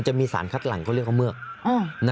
สามารถรู้ได้เลยเหรอคะ